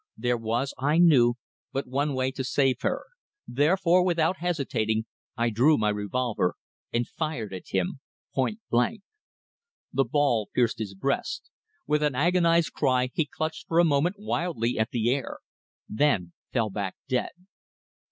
There was, I knew, but one way to save her, therefore without hesitating I drew my revolver and fired at him point blank. The ball pierced his breast. With an agonized cry he clutched for a moment wildly at the air, then fell back dead.